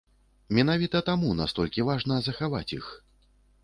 Менавіта таму настолькі важна захаваць іх.